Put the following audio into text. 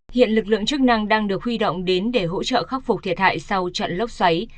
hiện lực lượng chức năng đang được huy động đến để hỗ trợ khắc phục thiệt hại sau trận lốc xoáy